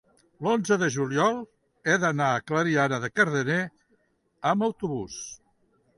l'onze de juliol he d'anar a Clariana de Cardener amb autobús.